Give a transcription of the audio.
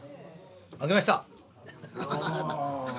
負けました。